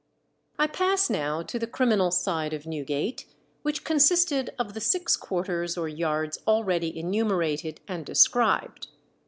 I pass now to the criminal side of Newgate, which consisted of the six quarters or yards already enumerated and described.